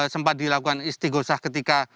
sempat dilakukan istighosah ketika